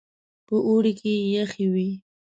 په اوړي کې يخې وې.